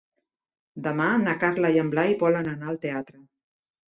Demà na Carla i en Blai volen anar al teatre.